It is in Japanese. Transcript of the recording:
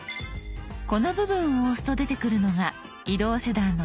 この部分を押すと出てくるのが移動手段の一覧。